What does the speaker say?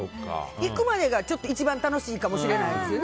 行くまでが一番楽しいかもしれないですよね。